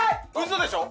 嘘でしょ？